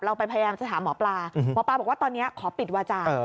ไปพยายามจะถามหมอปลาหมอปลาบอกว่าตอนนี้ขอปิดวาจา